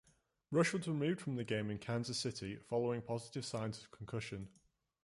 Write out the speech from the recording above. Rush was removed from the game in Kansas City following positive signs of concussion.